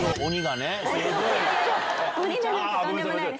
鬼だなんてとんでもないです。